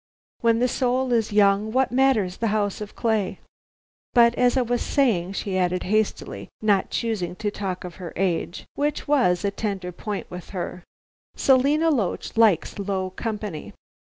When the soul is young, what matters the house of clay. But, as I was saying," she added hastily, not choosing to talk of her age, which was a tender point with her, "Selina Loach likes low company.